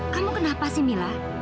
kamu kenapa sih mila